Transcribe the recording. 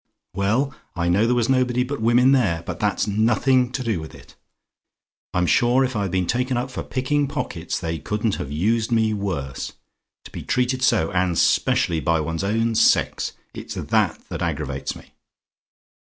Well, I know there was nobody but women there; but that's nothing to do with it. I'm sure, if I'd been taken up for picking pockets, they couldn't have used me worse. To be treated so and 'specially by one's own sex! it's THAT that aggravates me.